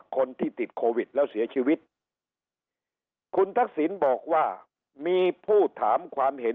คนที่ติดโควิดแล้วเสียชีวิตคุณทักษิณบอกว่ามีผู้ถามความเห็น